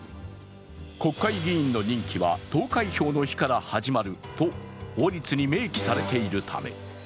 国会議員の任期は投開票の日から始まると法律に明記されているため。